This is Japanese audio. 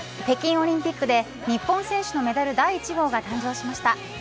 北京オリンピックで日本選手のメダル第１号が誕生しました。